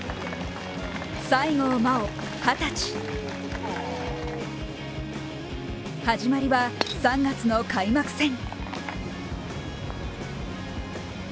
西郷真央、二十歳始まりは３月の開幕戦。